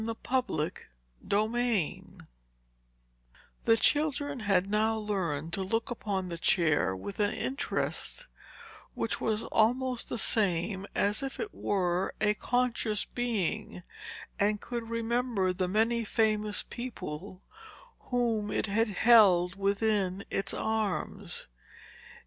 Chapter V The Children had now learned to look upon the chair with an interest, which was almost the same as if it were a conscious being, and could remember the many famous people whom it had held within its arms.